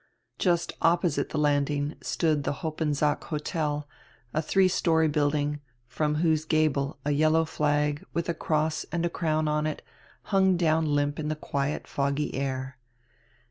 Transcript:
Just opposite tire landing stood tire Hoppensack Hotel, a three story building, from whose gable a yellow flag, with a cross and a crown on it, hung down limp in the quiet foggy air.